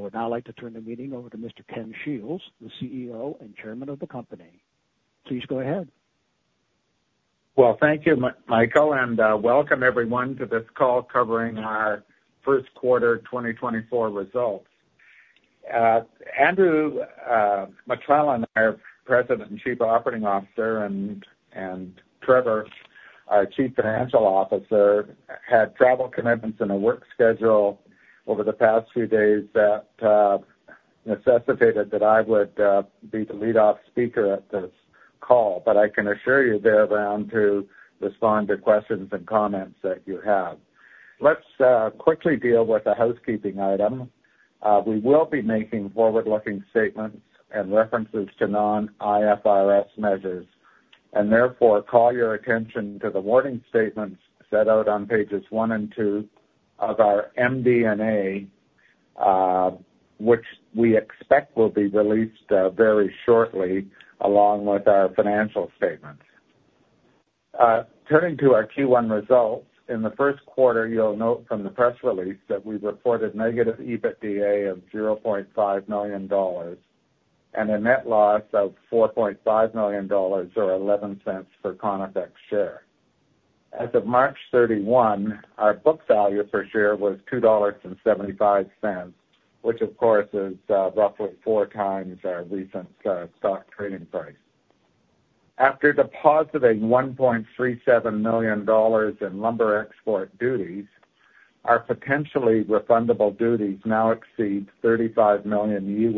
I would now like to turn the meeting over to Mr. Ken Shields, the CEO and chairman of the company. Please go ahead. Well, thank you, Michael, and welcome everyone to this call covering our first quarter 2024 results. Andrew McLellan and I, our President and Chief Operating Officer, and Trevor, our Chief Financial Officer, had travel commitments and a work schedule over the past few days that necessitated that I would be the lead-off speaker at this call. But I can assure you they're around to respond to questions and comments that you have. Let's quickly deal with a housekeeping item. We will be making forward-looking statements and references to non-IFRS measures, and therefore call your attention to the warning statements set out on pages 1 and 2 of our MD&A, which we expect will be released very shortly along with our financial statements. Turning to our Q1 results, in the first quarter, you'll note from the press release that we reported negative EBITDA of 0.5 million dollars and a net loss of 4.5 million dollars or 0.11 for Conifex share. As of March 31, our book value per share was 2.75 dollars, which of course is roughly 4 times our recent stock trading price. After depositing 1.37 million dollars in lumber export duties, our potentially refundable duties now exceed $35 million,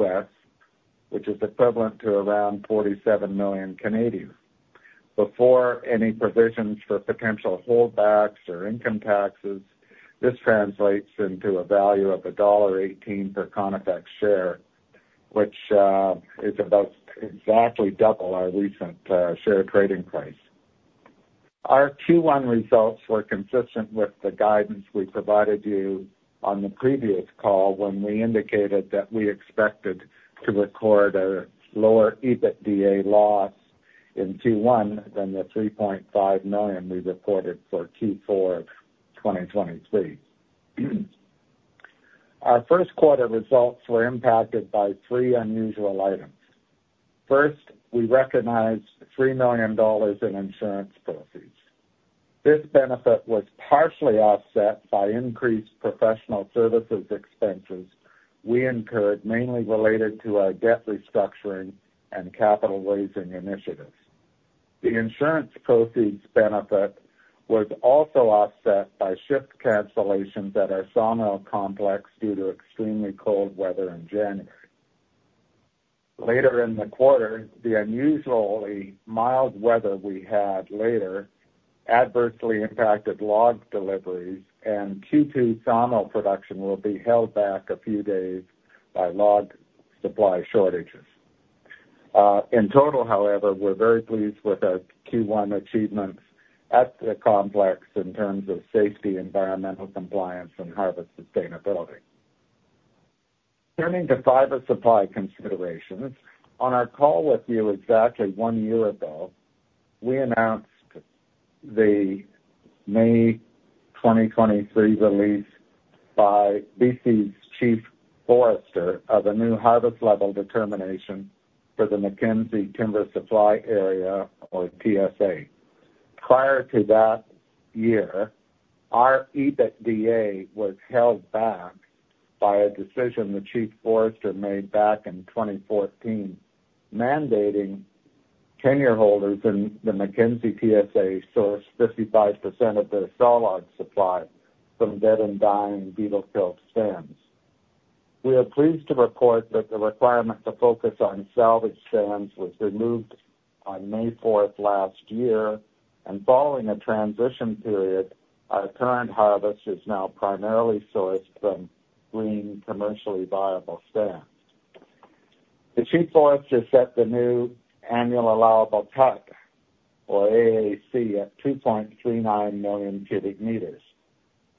which is equivalent to around 47 million. Before any provisions for potential holdbacks or income taxes, this translates into a value of dollar 1.18 per Conifex share, which is about exactly double our recent share trading price. Our Q1 results were consistent with the guidance we provided you on the previous call when we indicated that we expected to record a lower EBITDA loss in Q1 than the 3.5 million we reported for Q4 of 2023. Our first quarter results were impacted by three unusual items. First, we recognized 3 million dollars in insurance proceeds. This benefit was partially offset by increased professional services expenses we incurred, mainly related to our debt restructuring and capital raising initiatives. The insurance proceeds benefit was also offset by shift cancellations at our sawmill complex due to extremely cold weather in January. Later in the quarter, the unusually mild weather we had later adversely impacted log deliveries, and Q2 sawmill production will be held back a few days by log supply shortages. In total, however, we're very pleased with our Q1 achievements at the complex in terms of safety, environmental compliance, and harvest sustainability. Turning to fiber supply considerations, on our call with you exactly one year ago, we announced the May 2023 release by BC's chief forester of a new harvest level determination for the Mackenzie Timber Supply Area (TSA). Prior to that year, our EBITDA was held back by a decision the chief forester made back in 2014, mandating tenure holders in the Mackenzie TSA source 55% of their saw log supply from dead-and-dying beetle-killed stands. We are pleased to report that the requirement to focus on salvage stands was removed on May 4th last year, and following a transition period, our current harvest is now primarily sourced from green, commercially viable stands. The chief forester set the new annual allowable cut, or AAC, at 2.39 million cubic meters.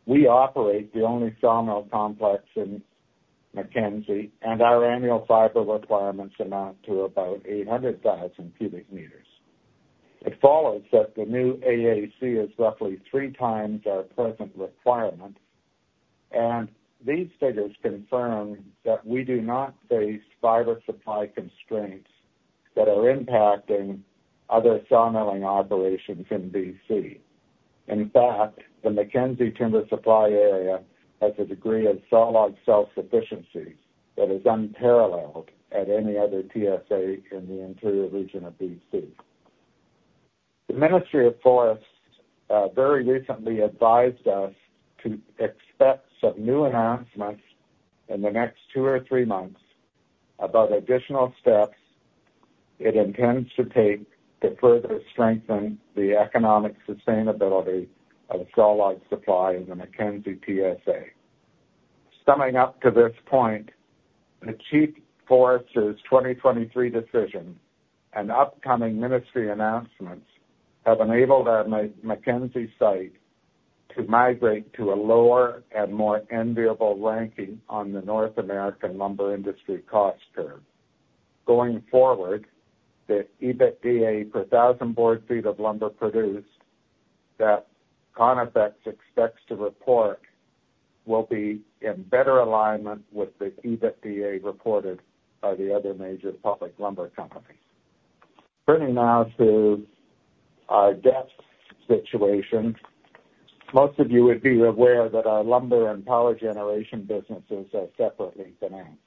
We operate the only sawmill complex in Mackenzie, and our annual fiber requirements amount to about 800,000 cubic meters. It follows that the new AAC is roughly three times our present requirement, and these figures confirm that we do not face fiber supply constraints that are impacting other sawmilling operations in BC. In fact, the Mackenzie timber supply area has a degree of saw log self-sufficiency that is unparalleled at any other TSA in the interior region of BC. The Ministry of Forests very recently advised us to expect some new announcements in the next two or three months about additional steps it intends to take to further strengthen the economic sustainability of saw log supply in the Mackenzie TSA. Summing up to this point, the chief forester's 2023 decision and upcoming ministry announcements have enabled our Mackenzie site to migrate to a lower and more enviable ranking on the North American lumber industry cost curve. Going forward, the EBITDA per 1,000 board feet of lumber produced that Conifex expects to report will be in better alignment with the EBITDA reported by the other major public lumber companies. Turning now to our debt situation, most of you would be aware that our lumber and power generation businesses are separately financed.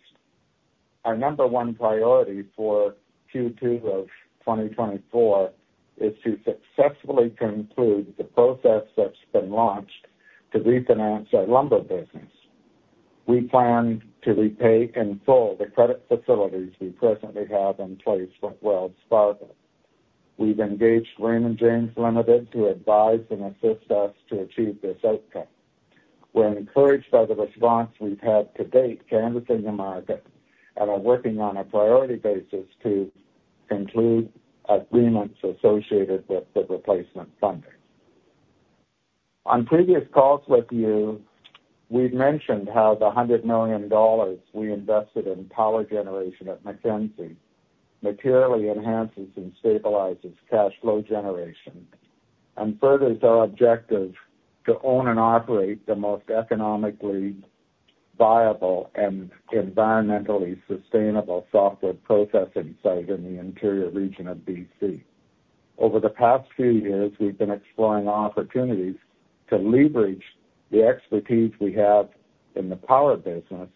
Our number one priority for Q2 of 2024 is to successfully conclude the process that's been launched to refinance our lumber business. We plan to repay in full the credit facilities we presently have in place for Wells Fargo. We've engaged Raymond James Ltd. to advise and assist us to achieve this outcome. We're encouraged by the response we've had to date from lenders in the market and are working on a priority basis to conclude agreements associated with the replacement funding. On previous calls with you, we've mentioned how the 100 million dollars we invested in power generation at Mackenzie materially enhances and stabilizes cash flow generation and furthers our objective to own and operate the most economically viable and environmentally sustainable sawmill processing site in the interior region of BC. Over the past few years, we've been exploring opportunities to leverage the expertise we have in the power business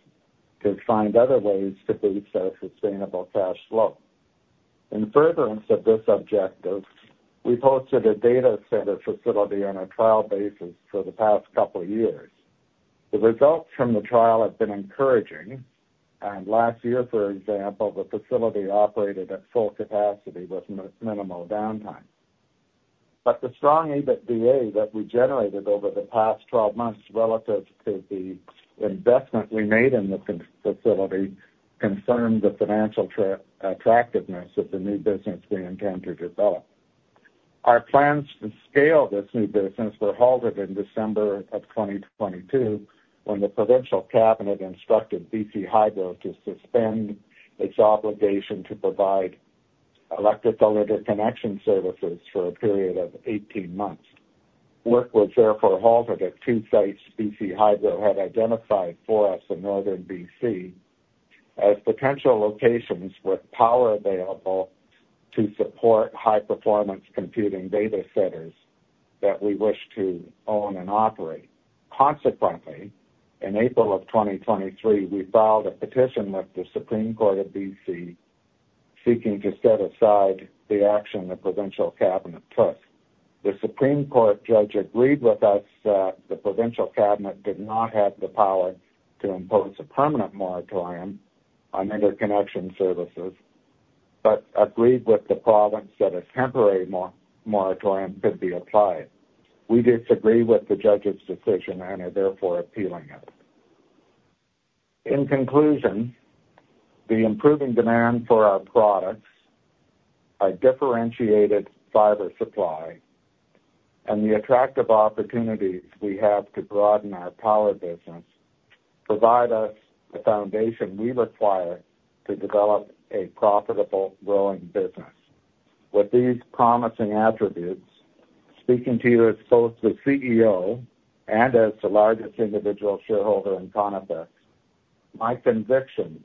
to find other ways to boost our sustainable cash flow.In furtherance of this objective, we've hosted a data center facility on a trial basis for the past couple of years. The results from the trial have been encouraging, and last year, for example, the facility operated at full capacity with minimal downtime. But the strong EBITDA that we generated over the past 12 months relative to the investment we made in the facility confirmed the financial attractiveness of the new business we intend to develop. Our plans to scale this new business were halted in December of 2022 when the provincial cabinet instructed BC Hydro to suspend its obligation to provide electric-electric connection services for a period of 18 months. Work was therefore halted at two sites BC Hydro had identified for us in northern BC as potential locations with power available to support high-performance computing data centers that we wished to own and operate. Consequently, in April of 2023, we filed a petition with the Supreme Court of BC seeking to set aside the action the provincial cabinet took. The Supreme Court judge agreed with us that the provincial cabinet did not have the power to impose a permanent moratorium on interconnection services but agreed with the province that a temporary moratorium could be applied. We disagree with the judge's decision and are therefore appealing it. In conclusion, the improving demand for our products, our differentiated fiber supply, and the attractive opportunities we have to broaden our power business provide us the foundation we require to develop a profitable, growing business. With these promising attributes, speaking to you as both the CEO and as the largest individual shareholder in Conifex, my conviction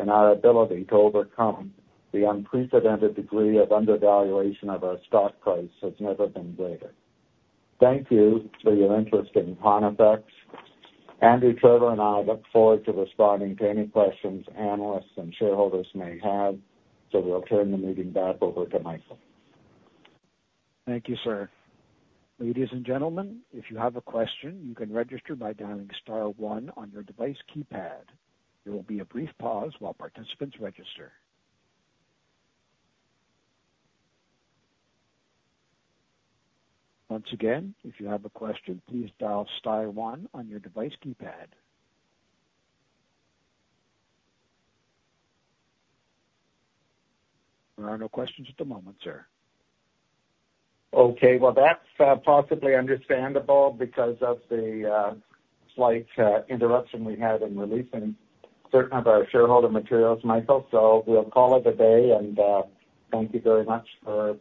in our ability to overcome the unprecedented degree of undervaluation of our stock price has never been greater. Thank you for your interest in Conifex. Andrew, Trevor, and I look forward to responding to any questions analysts and shareholders may have, so we'll turn the meeting back over to Michael. Thank you, sir. Ladies and gentlemen, if you have a question, you can register by dialing star 1 on your device keypad. There will be a brief pause while participants register. Once again, if you have a question, please dial star 1 on your device keypad. There are no questions at the moment, sir. Okay. Well, that's possibly understandable because of the slight interruption we had in releasing certain of our shareholder materials, Michael. We'll call it a day, and thank you very much for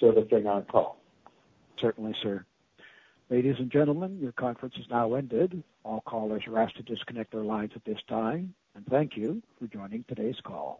servicing our call. Certainly, sir. Ladies and gentlemen, your conference has now ended. All callers are asked to disconnect their lines at this time, and thank you for joining today's call.